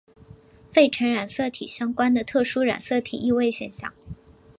费城染色体相关的特殊染色体易位现象。